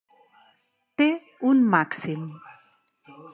Té un màxim.